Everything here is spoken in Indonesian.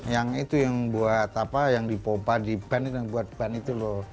yang itu yang buat apa yang dipopa di ban itu yang buat ban itu loh